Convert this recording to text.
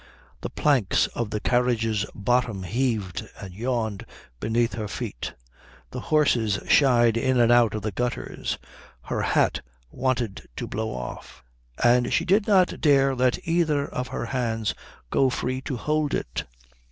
The planks of the carriage's bottom heaved and yawned beneath her feet. The horses shied in and out of the gutters. Her hat wanted to blow off, and she did not dare let either of her hands go free to hold it.